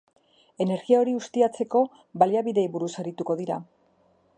Energia hori ustiatzeko baliabideei buruz arituko dira.